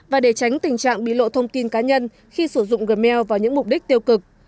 và để tránh tình trạng bị lộ thông tin cá nhân khi sử dụng gmail vào những mục đích tiêu cực